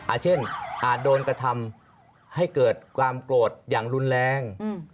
เช่นอาจโดนกระทำให้เกิดความโกรธอย่างรุนแรง